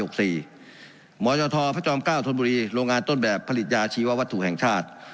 หมอจทพระจอม๙ธนบุรีโรงงานต้นแบบผลิตยาชีววัตถุแห่งชาติ